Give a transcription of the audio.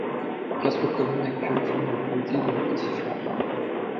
Quatre communes actuelles forment le polder de la Petite Flandre.